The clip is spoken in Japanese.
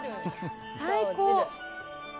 最高。